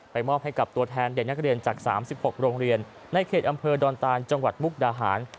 มอบให้กับตัวแทนเด็กนักเรียนจาก๓๖โรงเรียนในเขตอำเภอดอนตานจังหวัดมุกดาหาร